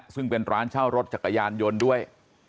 ซึ่งเป็นร้านเช่ารถจักรยานยนต์ด้วย